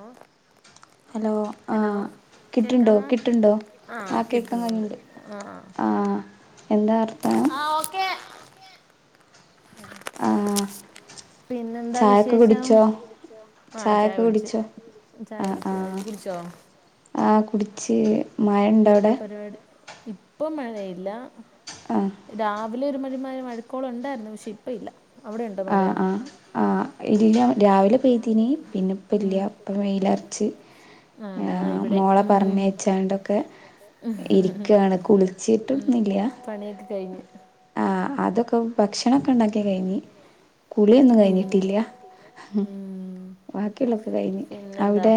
ഓഹ [inaudible] hello ആഹ. കിട്ടുണ്ടോ കിട്ടുണ്ടോ ആ കേക്ക കയ്ണ്ട് ആ എന്താ. ആഹ ഓക്കെ. ആഹ പിന്നെന്താ വിശേഷം? ആഹ ചായ കുടിച്ച് ചായ കുടിച് അ കുടിച്ചോ? എന്നാ പരിപാടി ഇപ്പൊ മഴയില്ലാ രാത്രി നല്ല മഴ ഉണ്ടായിരിന്നു. രാവിലെ ഒരു മഴിമാര മഴക്കോളം ഉണ്ടായിരുന്നു പക്ഷെ ഇപ്പ ഇല്ല. ആഹ ആഹ് ആഹ് ഇല്ല രാവിലെ പയ്തിനി പിന്നെ ഇപ്പ ഇല്ല ഇപ്പ വെയിലറച് മോളെ പറഞ്ഞയച്ചാണ്ട്. ഇരിക്കയാണ് കുളിച്ചിട്ടന്നില്ല ആ. അതൊക്കെ ഭക്ഷണൊക്കെ ഉണ്ടാക്കാ കഴിഞ്ഞു. കുളിയന്നും കഴിഞ്ഞിട്ടില്ല ഉം. ബാക്കിയുള്ളൊക്കെ കഴിഞ്ഞഞ് അവിടെ?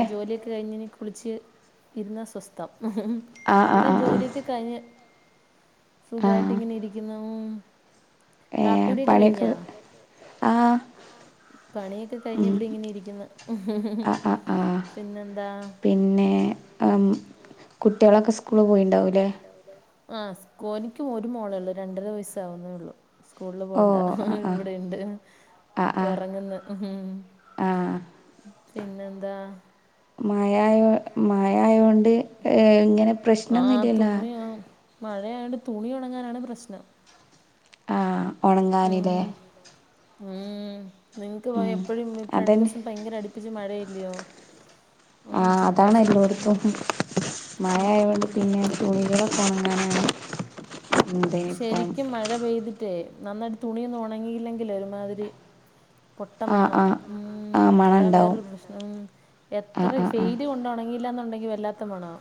അങ്ങനെ കുളിച്ച് ഇരുന്ന സ്വസ്ഥം ഇവിടെ ജോലി കഴിഞ്ഞ്. സുഖായിട്ട് ഇങ്ങനെ ഇരിക്കുന്നു. ഏ പണിയൊക്ക് ആഹ. പണിയൊക്കെ കഴിഞ്ഞഞ് ഇവിടെ ഇങ്ങനെ ഇരിക്കുന്ന് ഹ് ഹ പിന്നെന്താ. [unintelligible] അം [inaudible] കുട്ടികളൊക്കെ സ്കൂള് പോയിട്ടുണ്ടാവുല്ലേ? ആ സ്കോനിക്കും ഒരു മോളേ ഉള്ളൂ രണ്ടര വയസ്സ് ആവുന്നേ ഉള്ളൂ. സ്കൂളിൽ പോവണ്ട ഇവിടെയുണ്ട്‌ ഉറങ്ങുന്നു. പിന്നെ എന്താ? മാഴയായോ മാഴയായോണ്ട് ഏഹ് ഇങ്ങനെ പ്രശ്നൊന്നുല്ലല്ലോ? മഴ ആയോണ്ട് തുണി ഉണങ്ങാനാണ് പ്രശ്നം. ആഹ് ഉണങ്ങാനില്ലേ. മ് നിങ്ങക്ക് ഭയ എപ്പഴും ഇപ്പ രണ്ടു ദിവസം ഭയങ്കര അടുപ്പിച്ച് മഴയല്ലിയോ? ആഹ് അതാണ് എല്ലോടുത്തും മഴ ആയത് കൊണ്ട് പിന്നെ ചൂളികളും [inaudible] [unintelligible] [unintelligible] [inaudible] [unintelligible] ശരിക്കും മഴ പെയ്തിട്ടേ നന്നായിട്ട് തുണി ഒന്നും ഉണങ്ങിയില്ലെങ്കിലേ ഒരുമാതിരി. പൊട്ട മണവാ മ് അതാ വേറൊരു പ്രശ്നം മ് എത്ര വെയിൽ കൊണ്ട് ഉണങ്ങിയില്ലാന്ന്. ഉണ്ടങ്കി വല്ലാത്ത മണവാ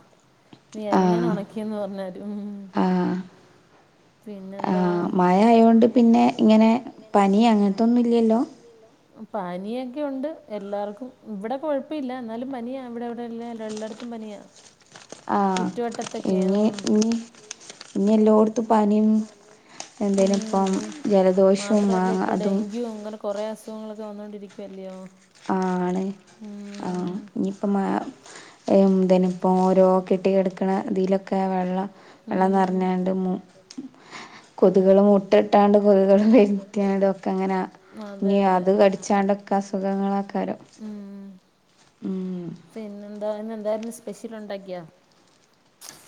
ഇനി എങ്ങനെ ഉണക്കിന്ന് പറഞ്ഞലും മ് [inaudible] [inaudible] [unintelligible] [unintelligible] ആഹ് മഴയായൊണ്ട് പിന്നെ ഇങ്ങനെ പനി അങ്ങനത്തൊന്നും ഇല്ലല്ലോ? പനിയൊക്കെ ഉണ്ട് എല്ലാർക്കും ഇവിടെ കൊഴപ്പില്ല എന്നാലും പനി അവിടെ ഇവിടെല്ല എല്ല എല്ലായിടത്തും പനിയാ. ആഹ് ഇനി ഇ ഇനി എല്ലാടത്തും പനിയും. [inaudible] എന്തേലിപ്പം ജലദോഷവും ആ അതും. ങ്ങളൊക്കെ വന്നോണ്ടിരിക്കുവല്ലിയോ [unintelligible] [unintelligible] ആണ് ആഹ് ഇനിയിപ്പംമാ [inaudible] [unintelligible] എം ദനിപ്പോം ഓരോ കെട്ടികെടക്കണ ഇതിലൊക്കെ വെള്ളം വെള്ളം നിറഞ്ഞാണ്ട് മു [inaudible] [unintelligible] കൊ [inaudible] [unintelligible] കൊതുകളും മുട്ട ഇട്ടാണ്ട് കൊതുകുകളും പെരുത്തിയാണ്ട് ഒക്കെ അങ്ങനെ ഇനി അത് കടിച്ചാണ്ടസുഖം. ങ്ങളൊക്കെ വരും [inaudible] [unintelligible] പിന്നെ എന്താ ഇന്ന് എന്തായിരുന്നു സ്പെഷ്യൽ ഉണ്ടാക്കിയാത്?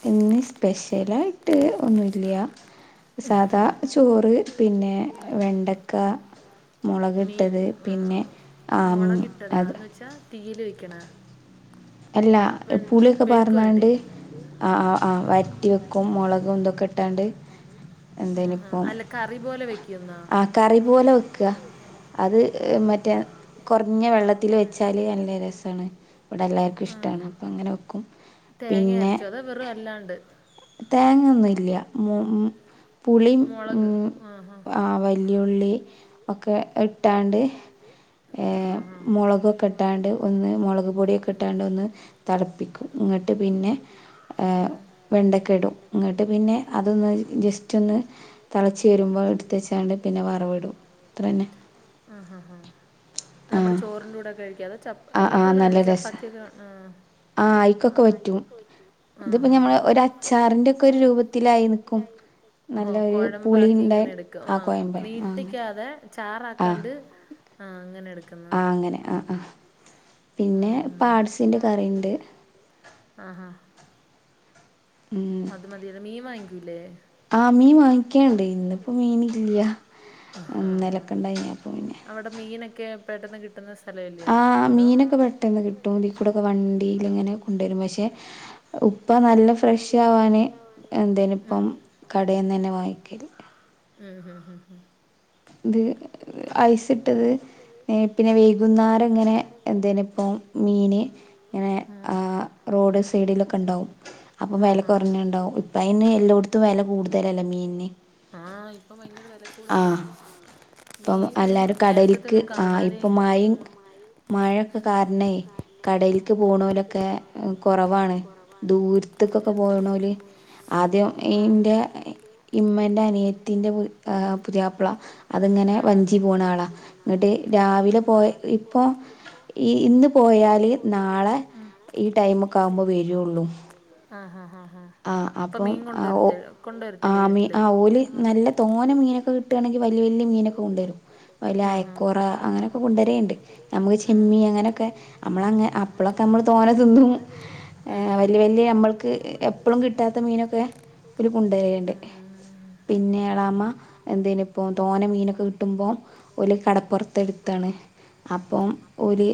ഇന്ന് സ്പെഷ്യലായിട്ട് ഒന്നുല്യ സാധാ ചോറ് പിന്നെ വെണ്ടക്ക മുളകിട്ടത് പിന്നെ മുള കിട്ടതാ എന്ന് വെച്ചാ തീയൽ വെക്കണ അല്ലാ പുളിയൊക്കെ പാറുന്നാണ്ട് ആഹ് ആഹ് ആഹ് വറ്റി വെക്കും മുളകും ഇതൊക്കെ ഇട്ടാണ്ട് ആഹ് അഹ് അല്ല കറി പോലെ ആഹ് കറി പോലെ വെക്കുവാ അത് മറ്റേ കുറഞ്ഞ വെള്ളത്തിൽ വെച്ചാല് നല്ല രസാണ് ഇവിടെ എല്ലാവർക്കും ഇഷ്ടമാണ് അപ്പ അങ്ങനെ വെക്കും പിന്നെ തേങ്ങൊന്നും ഇല്യ മു മു പു പുളിം മ് ആഹ് വല്യ ഉള്ളിം ഒക്കെ ഇട്ടാണ്ട് ഏഹ് മുളകൊക്കെ ഇട്ടാണ്ട് ഒന്ന് മുളക് പൊടിയൊക്കെ ഇട്ടാണ്ട് ഒന്ന് തിളപ്പിക്കും ങ്ങ ഇട്ട് പിന്നെ ഏഹ് വെണ്ടയ്ക്ക ഇടും എന്നിട്ട് പിന്നെ അതൊന്ന് ജസ്റ്റ്‌ ഒന്ന് ഒന്ന് തിളച്ച് വരുമ്പോ എടുത്ത് വച്ചാണ്ട് പിന്നെ വറവിടും അത്ര തന്നെ ആഹ് ഹ ഹ നമ്മുടെ ചോറിന്റെ കൂടെ ഒക്കെ കഴിക്കാം അത് ചപ്പ എല്ലാത്തിന്റേം കൂടെ നല്ല ചപ്പാത്തിയൊക്കെ ആഹ് ആ ആയിക്കൊക്കെ പറ്റും അഹ് അഹ് ഇതിപ്പോ പിന്നെ ഞമ്മള് ഒരു അച്ചാറിന്റെ ഒക്കെ രൂപത്തിലായിരിക്കും ഓ കുഴമ്പാക്കി ഇങ്ങനെ എടുക്കും ആ നീട്ടിക്കാതെ ചാറാക്കാണ്ട് ആഹ് അങ്ങനെ എടുക്കും ആഹ് അങ്ങനെ ആഹ് ആഹ് പിന്നെ പാർട്സിന്റെ കറിയുണ്ട് അത് മതിയല്ലോ മീൻ വാങ്ങിക്കൂല്ലേ ആഹ് മീൻ വാങ്ങിക്കാണ്ട് ഇന്നിപ്പോ മീൻ ഇല്ല്യ ഇന്നലെ ഒക്കെ ഉണ്ടായിനി അപ്പൊ പിന്നെ കെ പെട്ടെന്ന് കി ആഹ് മീനൊക്കെ പെട്ടെന്ന് കിട്ടും ഇതി കൂടോക്കെ വണ്ടിൽ ഇങ്ങനെ കൊണ്ടുവരും പക്ഷെ ഉപ് ഉപ്പ നല്ല ഫ്രഷ് ആ ഭവാന് എന്തേനിപ്പം കടേന്നന്നെ വായിക്കല് ഉം ഹ ഇത് ഐസ് ഇട്ടത് പിന്നെ വൈകുന്നാരം ങ്ങനെ എന്തേനിപ്പോ മീന് ഇങ്ങനെ റോഡ് സൈഡിലൊക്കെ ഉണ്ടാവും അപ്പ വെല കുറഞ്ഞ് ണ്ടാവും ഇപ്പയ്ന് എല്ലോട്ത്തും വെല കൂടുതലല്ലോ മീന്ന് ആഹ ഇപ്പം എല്ലാരും കടലൽക്ക് ആ ഇപ്പ മഴയും മഴക്ക് കാരണേയ് കടലൽക്ക് പോണോലൊക്കെ കുറവാണ് ദൂരത്ത്ക്കൊക്കെ പോ ആദ്യം ഇന്റെ ഇമ്മന്റെ അനിയത്തിന്റെ പുതിയാപ്പ്ള അതിങ്ങനെ വഞ്ചിപൂണ ആളാ ഇങ്ങോട്ട് രാവിലെ പോയ ഇപ്പോ ഈ ഇന്ന് പോയ പോയാല് നാളെ ഈ ടൈമക്കെ ആകുമ്പോ വരുള്ളു. ആ ആ ഹാ ആഹ അപ്പം ആ ഓ ആ മീ ആ ഓല് നല്ല തോനെ മീനൊക്കെ കിട്ടാണെങ്കിൽ വലിയ വലിയ മീനൊക്കെ കൊണ്ടുവരും. അയല അയക്കോറ അങ്ങനെയൊക്കെ കൊണ്ടേരുണ്ട് നമുക്ക് ചെമ്മി അങ്ങനെയൊക്കെ നമ്മളെങ്ങനെ ക്ക്നമ്മൾ തോന്ന തിന്നും വലിയ വല്യയ നമ്മക്ക് അപളും കിട്ടാത്ത മീനൊക്കെ ഒര് കൊണ്ടരേണ്ട്. പിന്നെ എളാമ എന്തേനിപ്പൊ തോനെ മീനൊക്കെ കിട്ടുമ്പോ ഒല് കടപ്പുറത്തെടുത്താണ്. അപ്പം ഒരു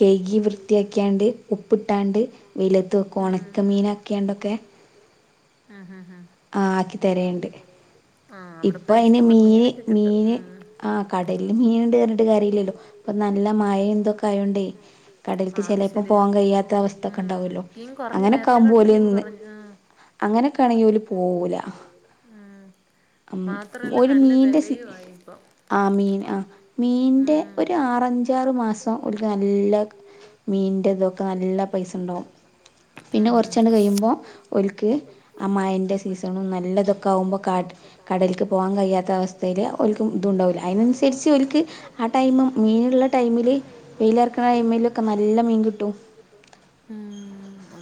കൈകി വൃത്തിയാക്കിയാണ്ട് ഉപ്പിട്ടാണ്ട് വെയിലത്ത് വെക്കും. ഉണക്ക മീനാക്കിയണ്ടൊക്കെ ആ ആക്കി തരണ്ട്. ആഹ് അവിടെപ്പ ഇഷ്ടം പോലെ മീനൊക്കെ കിട്ടും ഉം കടലിൽ മീൻണ്ട് പറഞ്ഞിട്ട് കാര്യയില്ലല്ലോ ഇപ്പൊ നല്ല മഴ തൊക്കെ ആയോണ്ട കടലക്ക് ചിലപ്പോ പോവാൻ കഴിയാത്ത അവസ്ഥ ഒക്കെ ഉണ്ടാവല്ലോ അങ്ങനെക്കെ ആകുമ്പോലെ ഇന്ന് അങ്ങനെക്ക ആണെങ്കില് ഓല് പോവൂല. മാത്രല്ല നല്ല വിലയു ആയി ഇപ്പോ ആ മീൻ ആ മീന്റെ ഒരു ആറഞ്ചാറ് മാസം ഒരു നല്ല മീന്റെ ഇതൊക്കെ നല്ല പൈസ ഉണ്ടാവും പിന്നെ കുറച്ചണ്ട് കഴിയുമ്പോ ഒല്ക്ക് ആ മായൻന്റെ സീസണും നല്ലതൊക്കെ ആകുമ്പോൾ കാ കടലേക്ക് പോകാൻ കഴിയാത്ത അവസ്ഥ ഒല്ക് ഇതുണ്ടാവില്ല. അതനുസരിച്ച് ഒല്ക്ക് ആ ടൈമ് മീനുള്ള ടൈമിൽ വെയിലറക്കുന്ന ടൈമിലൊക്കെ നല്ല മീൻ കി ട്ടും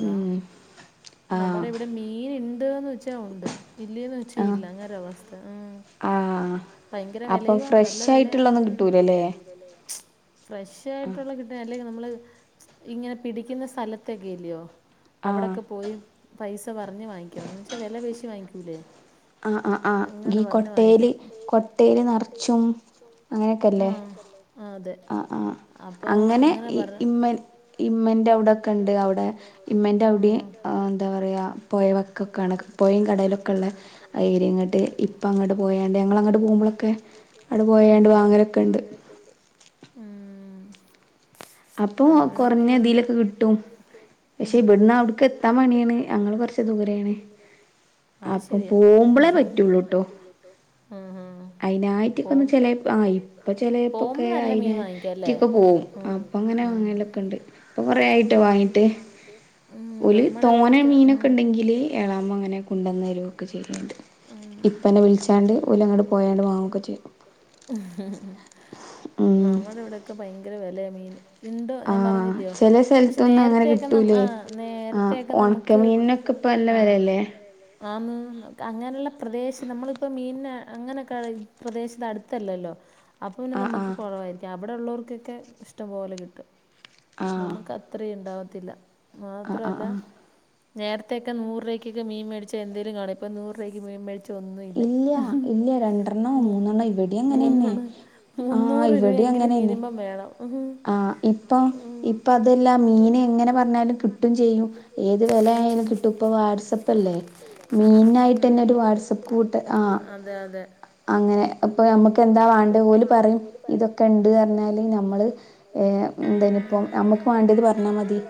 ഉം നമ്മുടെ ഇവിടെ മീൻ ഉണ്ട്ന്ന് വെച് ന്നെഉണ്ട് ഇല്ലയന്ന് വെച്ച ഇല്ല അങ്ങനെരവസ്ഥ ആ അപ്പൊ ഫ്രഷയിട്ടുള്ളൊന്നും കിട്ടൂലല്ലേ? ഫ്രഷായിട്ടുള്ള കിട്ട അല്ലെങ്കിൽ നമ്മള് ഇങ്ങനെ പിടിക്കുന്ന സ്ഥലത്തൊക്കെ ഇല്ലയോ അവിടൊക്കെ പോയി പൈസ പറഞ്ഞ് വാങ്ങിക്കണം എന്ന വച്ചാ വില പേശി വാങ്ങിക്കൂലേ ആ ആഹ് ആഹ് ഈ കൊട്ടയില് കൊടേലയ് നിറച്ചും അങ്ങനെയൊക്കെല്ലേ ആ ആഹ അങ്ങനെ ഇമ്മൻ ഇമ്മന്റെ അവിടെ കണ്ട് അവിടെ ഇമ്മന്റെ അവിടെ എന്താ പറയാ പോയ വക്കൊക്കാണ് പോയയും കടയിലൊക്കെ ഉള്ള എരിയ ഇങ്ങോട്ട് ഇപ്പ അങ്ങോട്ട് പോയണ്ട് ഞങ്ങ അങ്ങോട്ട് പോകുമ്പോളൊക്കെ അവിടെ പോയാണ്ട് വാങ്ങലൊക്കെ ഉണ്ട്. ഉം അപ്പൊ കൊറഞ്ഞതിലൊക്കെ കിട്ടും. ഉം പക്ഷെ ഇവിടന്ന് അവക്ക് എത്താൻ മണിയാണ് അങ്ങള് കൊറച്ച ദൂരെയാണ്. അപ്പൊ പോകുമ്പോളേ പറ്റുള്ളൂട്ടോ അയിനായിട്ടൊക്കെ ഒന്ന് ചില ആ ഇപ്പൊ ചെലപ്പൊക്കെ അയിനറ്റൊക്കെ പോവു അപ്പൊ അങ്ങനെ വാങ്ങലൊക്കെ ഉണ്ട് അപ്പൊ കൊറ ആയിട്ട് വാങ്ങീട്ട് ഓല് തോന മീനൊക്കെണ്ടെങ്കില് എളാമ അങ്ങനെ കൊണ്ടുവന്നെരോക്കെ ചെയ്യലിണ്ട് ഉ ഇപ്പന്നെ വിളിച്ചണ്ട് അങ്ങോട്ട് പോയണ്ട് നമ്മുടെ ഇവിടെക്കെ ഭയങ്കര വിലയ മീൻ ഉണ്ടോ ഞാൻ പറഞ്ഞില്ലയോ പക്ഷെ നേരത്തൊക്കെ ന ആ നേരത്തെയക്കെ നമുക്ക് ഇപ്പ നല്ല വിലല്ലേ ആന്ന് അങ്ങനെയുള്ള പ്രദേശം നമ്മളിപ്പോ മീൻ അങ്ങനൊക്കെ പ്രദേശത്ത് അടുത്തല്ലല്ലോ അപ്പൊപിന്നെ നമുക്ക് കുറവായിരിക്കും അവിടെ ഉള്ളവർക്കൊക്കെ ഇഷ്ടംപോലെ കിട്ടും നമുക്ക് അത്രയും ഉണ്ടാവത്തില്ല മാത്രല്ല നേരത്തെക്കെ നൂറ രൂപയ്ക്കെ മീൻ മേടിച്ച എന്തേലും കാണും ഇപ്പപ്പോ നൂറുരൂപ യ്ക്ക് മീൻ മേടിച്ച ഒന്നുല്ല മുന്നൂറു രൂപ ങ്കിലും മിനിമം വേണം ഉം ആ ഇപ്പൊ ഇപ്പൊ അതല്ല മീൻ എങ്ങനെ പറഞ്ഞാലും കിട്ടും ചെയ്യും ഏത് വില ആയാലും കി ട്ടും ഇപ്പൊ വാട്സപ്പല്ലെ അതെ അതെ അങ്ങനെ ഇപ്പൊ നമ്മുക്ക് എന്താ വേണ്ടെ ഓല് പറയും ഇതൊക്കെ ഉണ്ട് പറഞ്ഞാല് നമ്മള് ഏ എന്തനി ഇപ്പോ നമ്മുക്ക് വേണ്ടത് പറഞ്ഞാൽ മതി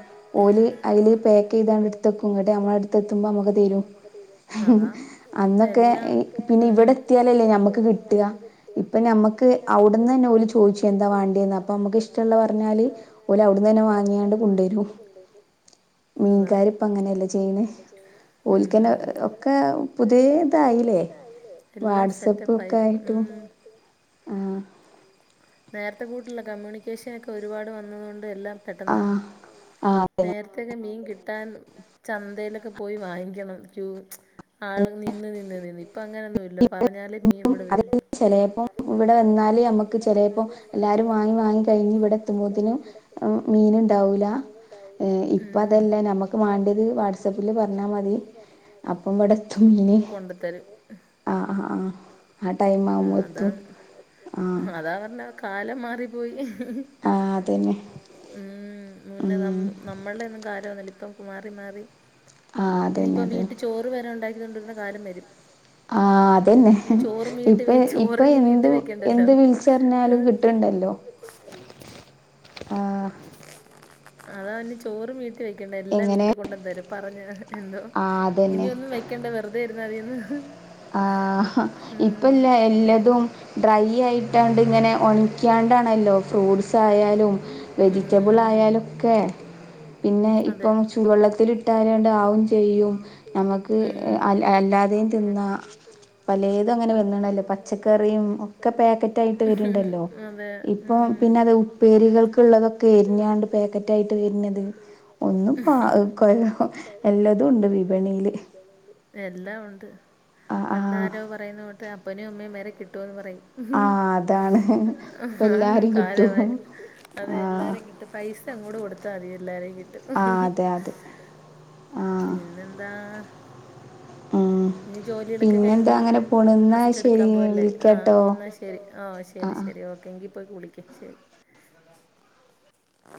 ഓല് അതില് പാക്ക് ചെയ്തടുത്തക്കും ഇങ്ങട് നമ്മള അടുത്തെത്തുമ്പോൾ നമുക്ക് തരും ഉ അന്നൊക്കെ പിന്നെ ഇവിടെ എത്തിയാലല്ലേ ഞമ്മക്ക് കിട്ടുക ഇപ്പം ഞമ്മക്ക് അവിടുന്ന്ന്നെ ഓല് ചോയ്ച്ചു എന്താ വേണ്ടിയന്ന് അപ്പ നമക്ക് ഇഷ്- അപ്പൊ നമ്മക്ക് ഇഷ്ടള്ള പറഞ്ഞാല് ഇവിടെ അവിടുന്നെ വാങ്ങിയണ്ട് കൊണ്ടുവരും. അത [unintelligible] മം. ഒക്കെ പുതിയ ഇതായിലേ വാട്സപ്പ് ഒക്കെ ആയിട്ടും ആഹ [unintelligible] കമ്മ്യൂണിക്കേഷൻ ഒക്കെ ഒരുപാട് വന്നതൊണ്ട് എല്ലാം പെട്ടെന്ന നേരത്തൊക്കെ മീൻ കി ട്ടാൻ ചന്തയിലൊക്കെ പോയി വാങ്ങിക്കണം ക്യൂ [unintelligible] ആൾ നിന്ന് നിന്ന്. ഇപ്പ അങ്ങനൊന്നുല്ല പറഞ്ഞാല് മീൻ ഇവടെ വി [unintelligible] എന്നാല നമ്മക്ക് ചെലപ്പോ എല്ലാരും വാങ്ങി വാങ്ങി കഴിഞ്ഞ് ഇവിടെത്തുമ്പതിന് മീന് ണ്ടാവൂല മം... ഇപ്പോതല്ല നമക്ക് വേണ്ടത് വാട്സാപ്പിൽ പറഞ്ഞാൽ മതി അപ്പൊ വ [unintelligible] കൊണ്ട തരും ആഹ് ആഹ് ആഹ് ആ ടൈം ആവുമ്പെത്തും ആഹ അതാ പറഞ്ഞെ കാലം മാറിപ്പോയി ഉം മുന്നേ നമ് നമ്മൾടെ ഒന്നും കാലോന്നല്ല ഇപ്പം മാറി മാറി ഇനിയിപ്പ വീട്ടി ചോറ് വരെ ഉണ്ടാക്കൊണ്ടിരുന്ന കാലം വരും ആഹ അതന്നെ ഇപ്പ ഇപ്പൊ എന്ത് എന്ത് വിൽ പറഞ്ഞാലും കിട്ടണ്ടല്ലോ അത അതാവേ ചോറ് വീട്ടി വെക്ക ണ്ട എല്ലാം വീട്ടിൽ കൊണ്ടതരും പറഞ്ഞ എന്തോ ഇനിയോന്നും വെക്കേണ്ട വെറുതൊയിരുന്നതിന്ന് ആഹ ഇപ്പല്ല എല്ലാതും ഡ്രൈ ആയി ാണ്ട് ഇങ്ങനെ ഒണിക്കാണ്ടാണല്ലോ ഫ്രൂട്ട്സ് ആയാലും വെജിറ്റബിൾ ആയാലൊക്കെ പിന്നെ ഇപ്പം ചൂടു വെള്ളത്തിലിട്ടാൽ ആവും ചെയ്യും നമ്ക്ക് അല്ല അല്ലാതെയും തിന്ന പലേതും അങ്ങനെ വന്നണല്ലോ പച്ചക്കറിയും ഒക്കെ പാക്കറ്റായി ഉം ഉം അതെ ഇപ്പൊ പിന്നെ അത് ഉപ്പേരികൾക്ക് ള്ളതൊക്കെ എരിഞ്ഞാണ്ട് പാക്കറ്റ ആയിട്ട് വരിനത് ഒന്നും പ കൊ എല്ലതും ഇണ്ട് വിപണിയില് എല്ലാം ഉണ്ട് പണ്ടാരോ പറയുന്നൊട്ട് അപ്പനും അമ്മയും വരെ കിട്ടുവന്ന് പറയും ആഹ അതാണ് ഇപ്പ എല്ലാരും കിട്ടും അതെ എല്ലാരും കിട്ടും പൈസ അങ്ങോട് കൊടുത്താതി എല്ലാരേം കിട്ടും പിന്നെന്താ ഉം ഇനി ജോലികളൊക്കെ കഴിഞ്ഞിനി റെസ്റ്റ് എടുക്കാൻ പോവല്ലേ ആ എന്നാൽ ശരി ഓ ആ ശരി ശരി ഓക്കേ എങ്കി പോയ്‌ കുളിക്ക് ശരി